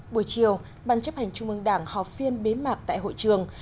buổi chiều ban chấp hành trung ương đảng họp phiên bế mạc tại hội trường